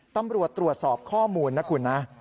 ตำรวจตรวจสอบข้อมูลนะคุณนะ